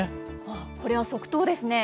これは即答ですね。